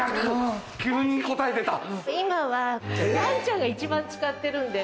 今はワンちゃんが一番使ってるんで。